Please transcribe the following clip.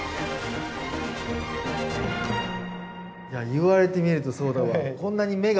いや言われてみるとそうだわ。